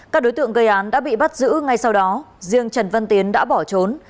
các đối tượng gây án đã bị bắt giữ ngay sau đó riêng trần văn tiến đã bỏ trốn